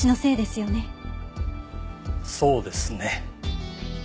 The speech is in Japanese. そうですね。